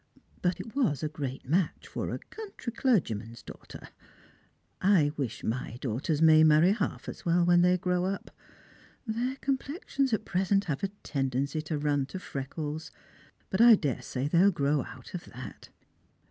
But it was a great match for a country clergyman's daughter. I wish iny daughters may marry half as well when they grow up. Their complexions at present have a tendency to run to freckles ; but I daresay they'll grow out of that."